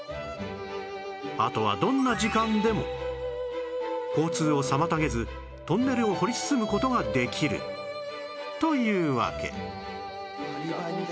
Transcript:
あとはどんな時間でも交通を妨げずトンネルを掘り進む事ができるというわけ